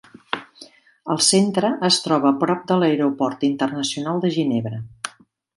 El centre es troba a prop de l'Aeroport Internacional de Ginebra.